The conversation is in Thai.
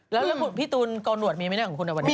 แล้วพี่ตูนโกนหนวดมีไหมของคุณนะวันนี้